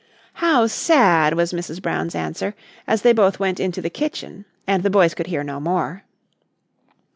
"How sad," was Mrs. Brown's answer, as they both went into the kitchen and the boys could hear no more.